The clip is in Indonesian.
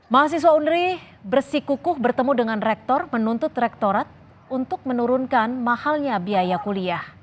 mahasiswa unri bersikukuh bertemu dengan rektor menuntut rektorat untuk menurunkan mahalnya biaya kuliah